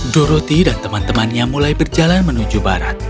doroti dan teman temannya mulai berjalan menuju barat